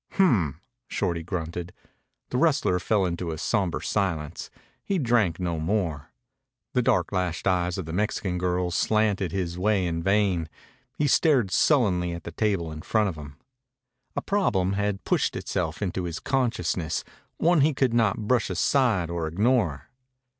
"Hmp!" Shorty grunted. The rustler fell into a somber silence. He drank no more. The dark lashed eyes of the Mexican girls slanted his way in vain. He stared sullenly at the table in front of him. A problem had pushed itself into his consciousness, one he could not brush aside or ignore.